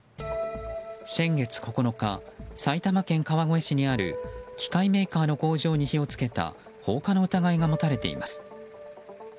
先月９日、埼玉県川越市にある機械メーカーの工場に火を付けた放火の疑いが持たれています。